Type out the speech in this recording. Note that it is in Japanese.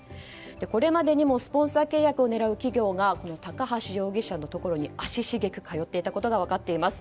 これまでにもスポンサー契約を狙う企業が高橋容疑者のところに足しげく通っていたことが分かっています。